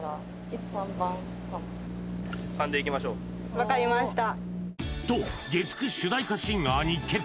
分かりました